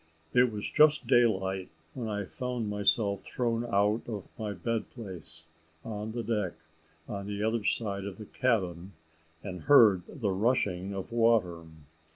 It was just daylight, when I found myself thrown out of my bed place, on the deck, on the other side of the cabin, and heard the rushing of water.